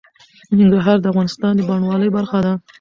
ننګرهار د افغانستان د بڼوالۍ برخه ده.